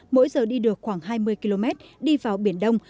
mỗi giờ đi được khoảng hai mươi km đi vào biển đông